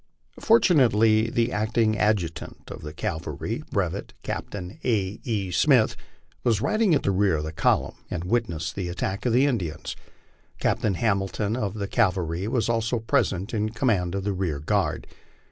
Fortunately, the acting adjutant of the cavalry, Brevet Captain A. E. Smith, was riding at the rear of the column and witnessed the attack of the Indians. Captain Hamilton of the cavalry was also present in command of the rear guard.